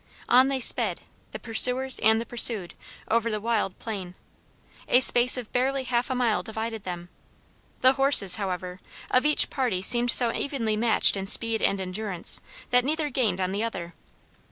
On they sped the pursuers and the pursued over the wild plain. A space of barely half a mile divided them. The horses, however, of each party seemed so evenly matched in speed and endurance that neither gained on the other.